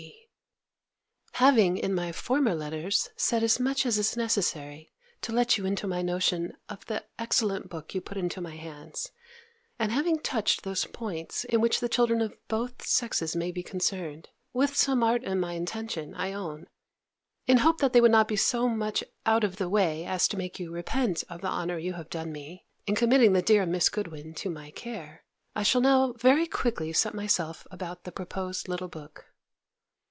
B., Having in my former letters said as much as is necessary to let you into my notion of the excellent book you put into my hands, and having touched those points in which the children of both sexes may be concerned (with some art in my intention, I own), in hope that they would not be so much out of the way, as to make you repent of the honour you have done me, in committing the dear Miss Goodwin to my care; I shall now very quickly set myself about the proposed little book.